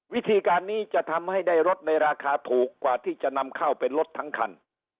วิธีการนี้จะทำให้ได้รถในราคาถูกกว่าที่จะนำเข้าเป็นรถทั้งคัน